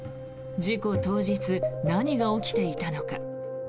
事故当日、何が起きていたのか。